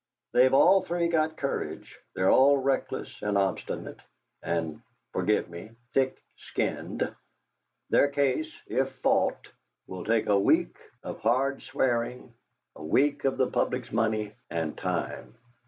They've all three got courage, they're all reckless and obstinate, and forgive me thick skinned. Their case, if fought, will take a week of hard swearing, a week of the public's money and time.